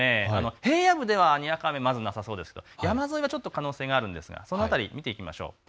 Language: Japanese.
平野部ではにわか雨、なさそうですけれども山沿いはちょっと可能性があるんですがちょっとその辺り見ていきましょう。